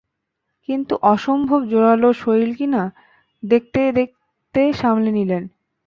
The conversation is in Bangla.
কিন্তু অসম্ভব জোরালো শরীর কিনা, দেখতে দেখতে সামলে নিলেন।